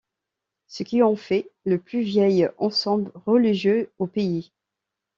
Ce qui en fait le plus vieil ensemble religieux au pays.